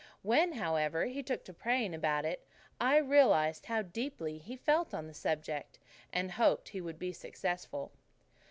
When, however, he took to praying about it, I realized how deeply he felt on the subject, and hoped he would be successful.